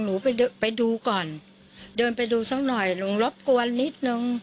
หนูไปไปดูก่อนเดินไปดูสักหน่อยหนูรบกวนนิดนึง